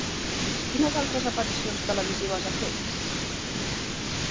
Quines altres aparicions televisives ha fet?